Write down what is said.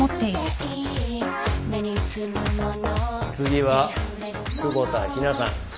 次は久保田陽菜さん。